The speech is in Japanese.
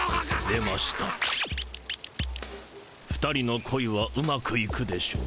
２人の恋はうまくいくでしょう。